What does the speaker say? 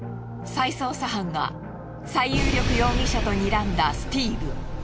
再捜査班が最有力容疑者とにらんだスティーブ。